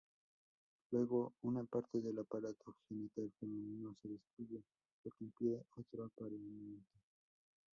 Luego, una parte del aparato genital femenino se destruye, lo que impide otro apareamiento.